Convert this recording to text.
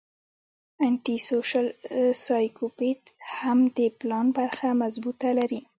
انټي سوشل سايکوپېت هم د پلان برخه مضبوطه لري